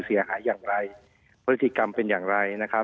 เสียหายอย่างไรพฤติกรรมเป็นอย่างไรนะครับ